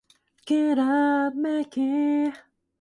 The Arsenal is now owned by athenahealth.